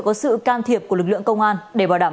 có sự can thiệp của lực lượng công an để bảo đảm